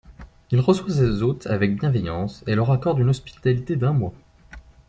Il reçoit ses hôtes avec bienveillance et leur accorde une hospitalité d'un mois.